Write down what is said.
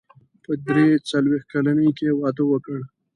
په درې څلوېښت کلنۍ کې يې واده وکړ.